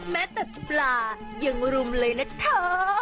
แม้แต่ปลายังรุมเลยนะคะ